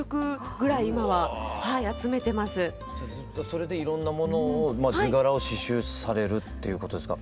それでいろんなものを図柄を刺繍されるっていうことですか？